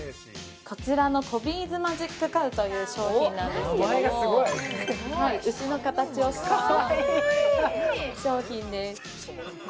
こちらの「トビーズマジックカウ」という商品なんですけども牛の形をした商品ですかわいい！